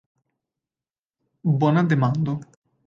Bona demando.